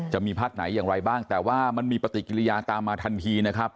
จะมีภาคไหนอย่างไรบ้างแต่ว่ามันมีปฏิกิริยาตามมาทันทีนะครับ